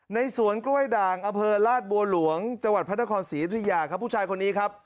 ในสวนกล้วยด่างอเภอราชบัวหลวงจพศรีอิทยาครับผู้ชายคนนี้ครับ